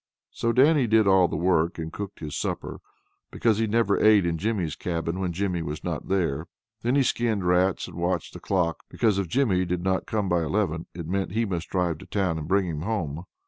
So Dannie did all the work, and cooked his supper, because he never ate in Jimmy's cabin when Jimmy was not there. Then he skinned rats, and watched the clock, because if Jimmy did not come by eleven, it meant he must drive to town and bring him home.